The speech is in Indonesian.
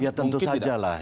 ya tentu saja lah